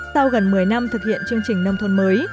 sau gần một mươi năm thực hiện chương trình nông thôn mới